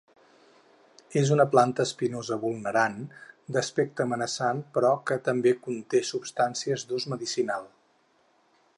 És una planta espinosa vulnerant d'aspecte amenaçant però que també conté substàncies d'ús medicinal.